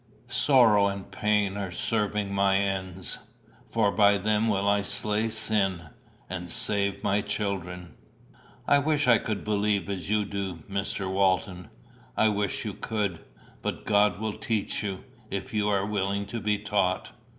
Sorrow and pain are serving my ends; for by them will I slay sin; and save my children.'" "I wish I could believe as you do, Mr. Walton." "I wish you could. But God will teach you, if you are willing to be taught."